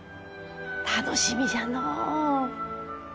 楽しみじゃのう。